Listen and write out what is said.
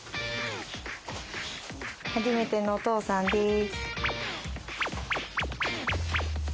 はじめてのお父さんです。